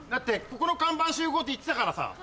ここ集合って言ってたからさ。